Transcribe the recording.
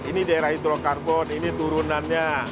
ini daerah hidrokarbon ini turunannya